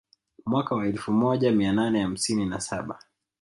Mwaka wa elfu moja mia nane hamsini na saba